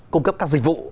cung cấp các dịch vụ